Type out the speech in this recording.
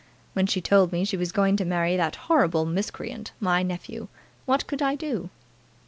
When she told me she was going to marry that horrible miscreant, my nephew, what could I do?"